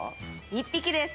１匹です。